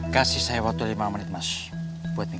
kasih saya waktu lima menit mas buat mikir